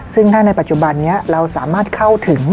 ซึ่งถ้าในปัจจุบันนี้เราสามารถเข้าถึง